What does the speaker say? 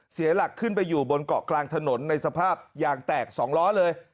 เสียหลักขึ้นไปอยู่บนเกาะกลางถนนในสภาพยางแตก๒ล้อเลย